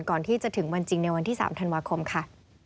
ก่อนที่จะถึงวันจริงในวันที่๓ธันวาคมค่ะ